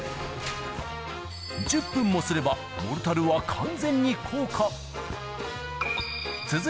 １０分もすれば、モルタルは完全に硬化。